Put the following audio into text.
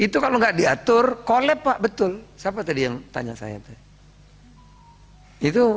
itu kalau nggak diatur kolab pak betul siapa tadi yang tanya saya itu